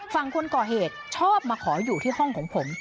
ฝั่งคนก่อเหตุชอบมาขออยู่ที่ห้องของผม